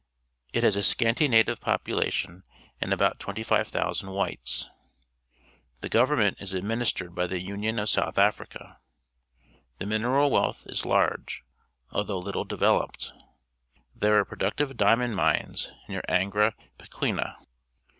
It has a scanty native population and about 25,000 wiiites. Tlie government is administered by the Union of South Africa. The mineral wealth is large, al though little developed. There are pro ductive diamond mines near Angra Pequena.